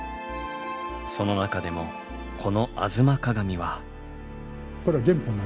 その中でもこの「吾妻鏡」は。